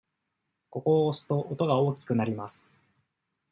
ここを押すと、音が大きくなります。